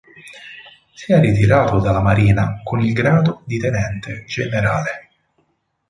Si è ritirato dalla marina con il grado di tenente generale.